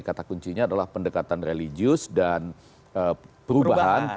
yang pentingnya adalah pendekatan religius dan perubahan